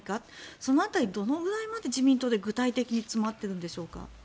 その辺りどのぐらいまで自民党で詰まっているんでしょうか。